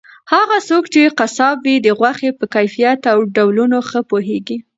هغه څوک چې قصاب وي د غوښې په کیفیت او ډولونو ښه پوهیږي.